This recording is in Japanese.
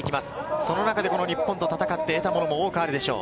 その中で日本と戦って得たものも多くあるでしょう。